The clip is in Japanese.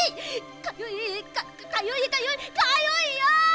かゆいかゆいかゆいかゆいよ！